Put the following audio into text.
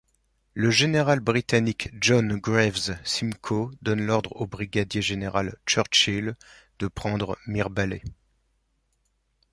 Le général britannique John Graves Simcoe donne l'ordre au brigadier-général Churchill de prendre Mirebalais.